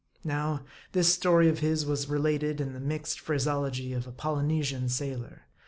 Now, this story of his was related in the mixed phrase ology of a Polynesian sailor.